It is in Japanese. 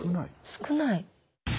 少ない？